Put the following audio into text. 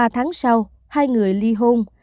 ba tháng sau hai người ly hôn